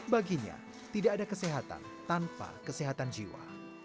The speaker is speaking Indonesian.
baginya tidak ada kesehatan tanpa kesehatan jiwa